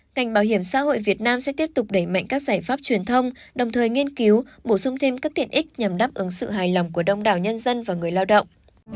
ngành bảo hiểm xã hội việt nam sẽ tiếp tục đẩy mạnh các giải pháp truyền thông đồng thời nghiên cứu bổ sung thêm các tiện ích nhằm đáp ứng sự hài lòng của đông đảo nhân dân và người lao động